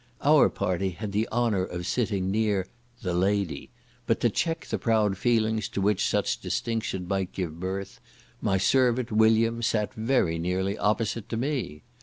Our party had the honour of sitting near "the lady," but to check the proud feelings to which such distinction might give birth, my servant, William, sat very nearly opposite to me.